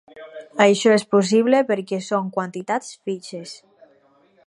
Això és possible perquè són quantitats fixes.